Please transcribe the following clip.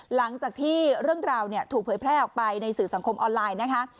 หลังจากที่เรื่องราวเนี่ยถูกเผยแพร่ออกไปในสื่อสังคมออนไลน์นะคะ